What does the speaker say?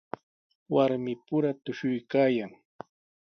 Warmipura tushuykaayan.